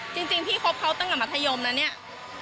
จริงพี่คบเขาตั้งแต่มัธยมแล้วเนี่ย